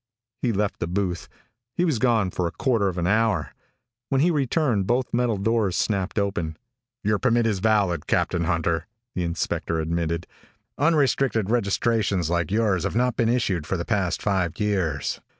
He left the booth. He was gone for a quarter of an hour. When he returned, both metal doors snapped open. "Your permit is valid, Captain Hunter," the inspector admitted. "Unrestricted registrations like yours have not been issued for the past five years.